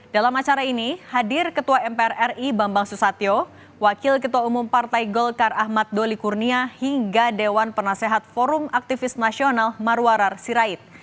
dalam acara ini hadir ketua mpr ri bambang susatyo wakil ketua umum partai golkar ahmad doli kurnia hingga dewan penasehat forum aktivis nasional marwarar sirait